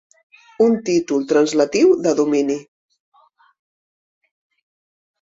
Un títol translatiu de domini.